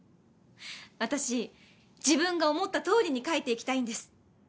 私自分が思ったとおりに書いていきたいんです。